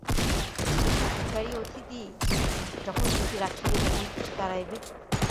সে কি ভিখারি অতিথি যে, যখন খুশি রাখিবে, যখন খুশি তাড়াইবে?